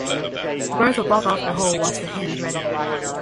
The birds will block off the hole once the hen is ready.